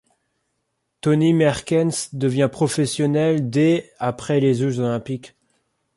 Toni Merkens devient professionnel dès après les Jeux olympiques.